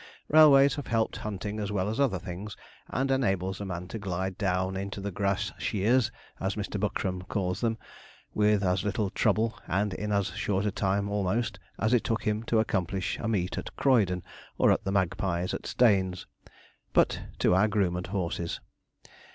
Railways have helped hunting as well as other things, and enables a man to glide down into the grass 'sheers,' as Mr. Buckram calls them, with as little trouble, and in as short a time almost, as it took him to accomplish a meet at Croydon, or at the Magpies at Staines. But to our groom and horses.